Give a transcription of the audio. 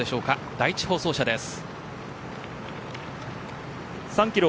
第１放送車です。